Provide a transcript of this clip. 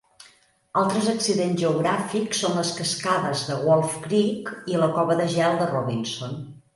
Altres accidents geogràfics són les cascades de Wolf Creek i la cova de gel de Robinson.